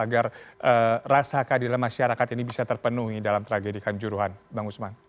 agar rasa kadil masyarakat ini bisa terpenuhi dalam tragedikan juruhan bang usman